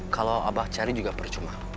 kalau abah cari juga percuma